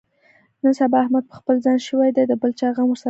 نن سبا احمد په خپل ځان شوی دی، د بل چا غم ورسره نشته.